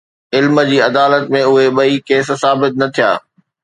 علم جي عدالت ۾ اهي ٻئي ڪيس ثابت نه ٿيا.